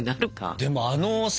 でもあのさ